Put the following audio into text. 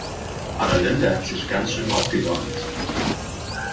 Adelinde hat sich ganz schön aufgedonnert.